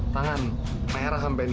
tangan merah sampai ini